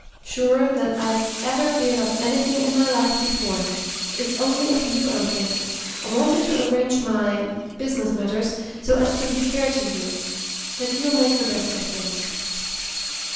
"Surer than I've ever been of anything in my life before. It's only of you I'm thinking. I wanted to arrange my business matters so as to be fair to you. But you'll make the best of things."